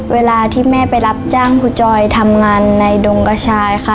เวลาที่แม่ไปรับจ้างครูจอยทำงานในดงกระชายค่ะ